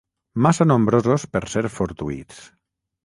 Massa nombrosos per ser fortuïts.